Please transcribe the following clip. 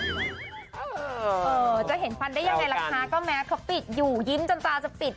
จะเห็นฟันได้ยังไงล่ะคะก็แม้เขาปิดอยู่ยิ้มจนตาจะปิด